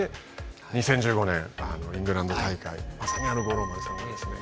２０１５年イングランド大会まさに五郎丸さんがですね